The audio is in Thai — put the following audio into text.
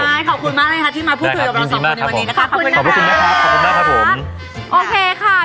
ใช่ขอบคุณมากเลยนะคะที่มาพูดถึงกับเราสองคนในวันนี้นะคะขอบคุณค่ะขอบคุณค่ะขอบคุณมากครับผม